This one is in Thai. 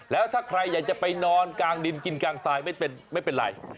แล้วถ้าใครอยากจะไปนอนกลางดินกินกลางทรายไม่เป็นไร